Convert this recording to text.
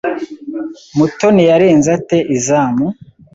Mutoni yarenze ate izamu?